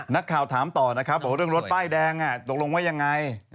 นักข่าวถามต่อนะครับบอกว่าเรื่องรถป้ายแดงตกลงว่ายังไง